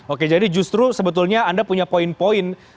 oke jadi justru sebetulnya anda punya poin poin